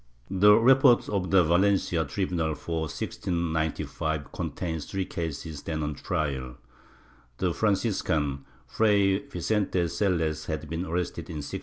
^ The report of the Valencia tribunal, for 1695, contains three cases then on trial. The Franciscan, Fray Vicente Selles, had been arrested in 1692.